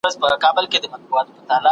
د دې ساعت قيمت معلوم کړه.